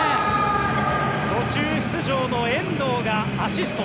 途中出場の遠藤がアシスト。